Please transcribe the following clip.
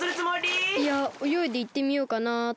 いやおよいでいってみようかなって。